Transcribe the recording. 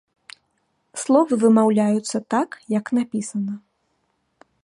Словы вымаўляюцца так, як напісана.